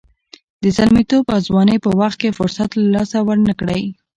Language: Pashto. د زلمیتوب او ځوانۍ په وخت کې فرصت له لاسه ورنه کړئ.